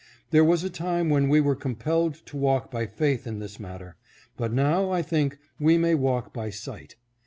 There was a time when we were compelled to walk by faith in this matter, but now, I think, we may walk by sight.